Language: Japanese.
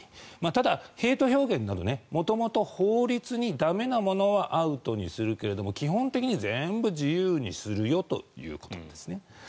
ただ、ヘイト表現など元々、法律で駄目なものはアウトにするけれども基本的に全部自由にするよということですね。